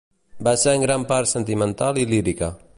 Va ser en gran part sentimental i lírica.